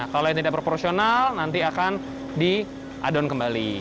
kalau yang tidak proporsional nanti akan di adon kembali